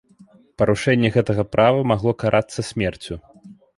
Парушэнне гэтага права магло карацца смерцю.